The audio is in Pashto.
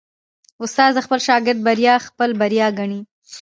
استاد د خپل شاګرد بریا خپل بری ګڼي.